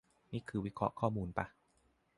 นี่คือวิเคราะห์ข้อมูลปะ